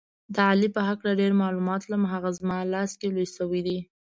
د علي په هکله ډېر معلومات لرم، هغه زما لاس کې لوی شوی دی.